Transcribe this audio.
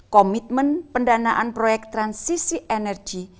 komitmen pendanaan proyek transisi energi